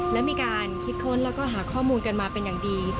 และมีการคิดค้นแล้วก็หาข้อมูลกันมาเป็นอย่างดี